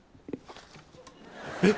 えっ！？